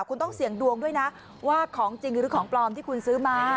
คุณต้องเสี่ยงดวงด้วยนะว่าของจริงหรือของปลอมที่คุณซื้อมา